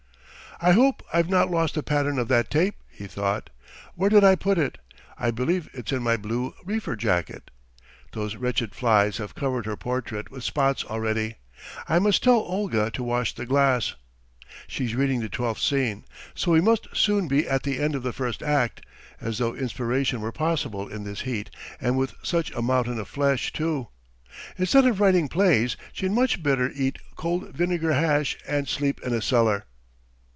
"I hope I've not lost the pattern of that tape," he thought, "where did I put it? I believe it's in my blue reefer jacket. ... Those wretched flies have covered her portrait with spots already, I must tell Olga to wash the glass. ... She's reading the twelfth scene, so we must soon be at the end of the first act. As though inspiration were possible in this heat and with such a mountain of flesh, too! Instead of writing plays she'd much better eat cold vinegar hash and sleep in a cellar.